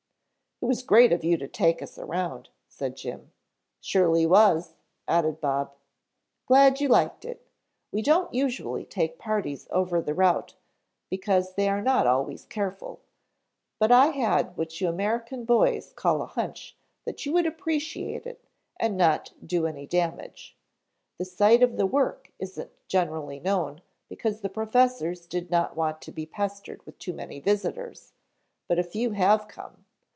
"It was great of you to take us around," said Jim. "Surely was," added Bob. "Glad you liked it. We don't usually take parties over the route because they are not always careful, but I had what you American boys call a hunch that you would appreciate it and not do any damage. The site of the work isn't generally known because the professors did not want to be pestered with too many visitors, but a few have come.